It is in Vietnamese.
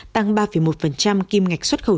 tăng ba một kim ngạch xuất khẩu